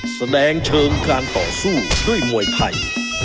แสดงเชิงการต่อสู้ด้วยมวยไทย